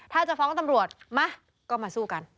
ถ้าจะฟ้องตำรวจมาก็มาสู้กัน